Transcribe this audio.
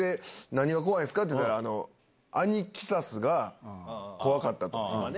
何が怖いんですかって言ったら、アニキサスが怖かったと。